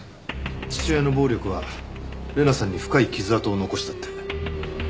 父親の暴力は玲奈さんに深い傷跡を残したって。